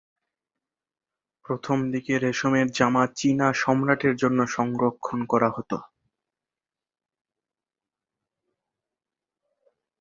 প্রথম দিকে রেশমের জামা চীনা সম্রাটের জন্য সংরক্ষণ করা হতো।